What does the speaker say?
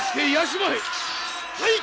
はい！